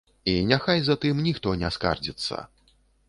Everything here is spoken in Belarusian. І няхай затым ніхто не скардзіцца.